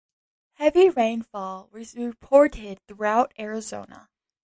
Heavy rainfall was reported throughout Arizona.